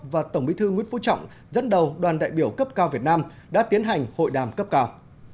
và tổng bí thư nguyễn phú trọng dẫn đầu đoàn đại biểu cấp cao việt nam đã tiến hành hội đàm cấp cao